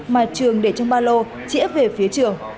mà trường để trong ba lô trĩa về phía trường